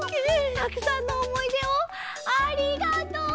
たくさんのおもいでをありがとう！